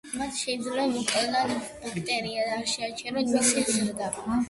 მათ შეიძლება მოკლან ბაქტერია ან შეაჩერონ მისი ზრდა.